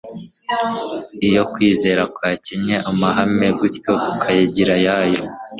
Iyo kwizera kwakinye amahame y'ukuri gutyo maze kukayagira ayako,